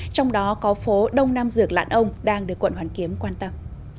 trong đó có phố đông nam dược lãn ông đang được quận hoàn kiếm quan tâm